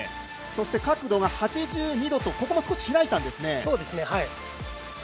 そして角度が８２度とここも少し開きました。